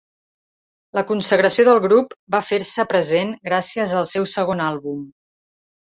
La consagració del grup va fer-se present gràcies al seu segon àlbum.